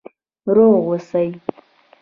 روغ اوسئ؟